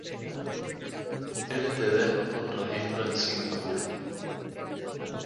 Ltd, con registro en Singapur.